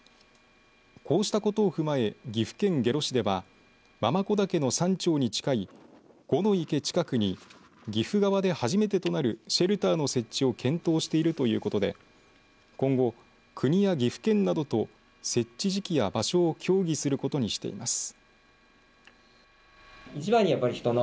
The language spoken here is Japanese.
こうしたことを踏まえ岐阜県下呂市では継子岳の山頂に近い五の池近くに岐阜側で初めてとなるシェルターの設置を検討しているということで今後、国や岐阜県などと設置時期や場所を協議することにしています。